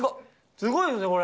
すごいですね、これ。